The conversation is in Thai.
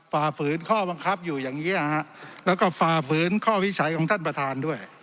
ฝ่าฝืนข้อบังคับอยู่อย่างนี้แล้วก็ฝ่าฝืนข้อวิจัยของท่านประธานด้วย